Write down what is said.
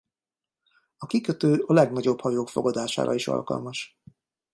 A kikötő a legnagyobb hajók fogadására is alkalmas.